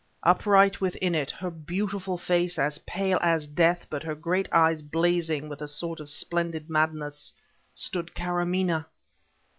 Upright within it, her beautiful face as pale as death, but her great eyes blazing with a sort of splendid madness, stood Karamaneh!